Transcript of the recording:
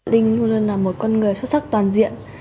linh luôn luôn là một con người xuất sắc toàn diện